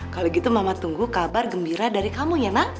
kalau gitu mama tunggu kabar gembira dari kamu ya nak